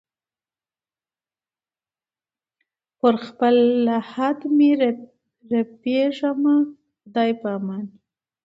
پر خپل لحد به مي رپېږمه د خدای په امان